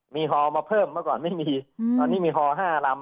มีฮอมาเพิ่มเมื่อก่อนไม่มีตอนนี้มีฮอ๕ลำ